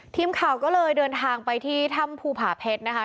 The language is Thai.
ทีมข่าวก็เลยเดินทางไปที่ถ้ำภูผาเพชรนะคะ